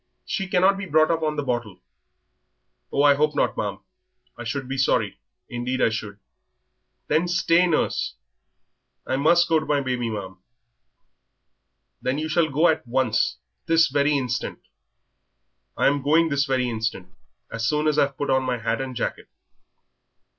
She cannot be brought up on the bottle." "Oh, I hope not, ma'am. I should be sorry, indeed I should." "Then stay, nurse." "I must go to my baby, ma'am." "Then you shall go at once this very instant." "I'm going this very instant, as soon as I've put on my hat and jacket."